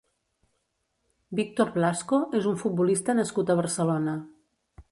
Victor Blasco és un futbolista nascut a Barcelona.